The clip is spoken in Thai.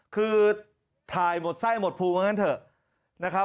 คือถ่ายหมดไส้หมดภูมิเหมือนกันเถอะ